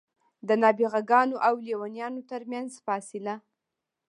د نابغه ګانو او لېونیانو ترمنځ فاصله.